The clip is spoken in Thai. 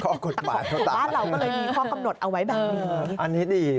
หรือว่าข้อกดหมายเท่าต่างหรือว่าเราก็เลยมีข้อกำหนดเอาไว้แบบนี้